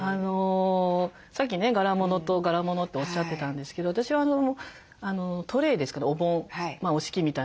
さっきね柄物と柄物っておっしゃってたんですけど私はあのトレーですかねお盆おしきみたいな。